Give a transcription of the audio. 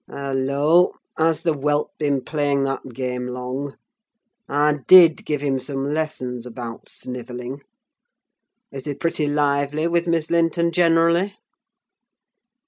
Hallo! has the whelp been playing that game long? I did give him some lessons about snivelling. Is he pretty lively with Miss Linton generally?"